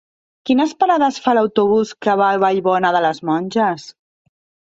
Quines parades fa l'autobús que va a Vallbona de les Monges?